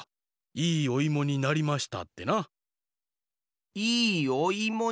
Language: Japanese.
いいおいもになりました。